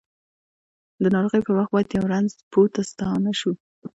د ناروغۍ پر وخت باید یؤ رنځ پوه ته ستانه شوو!